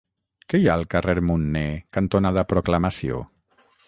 Què hi ha al carrer Munné cantonada Proclamació?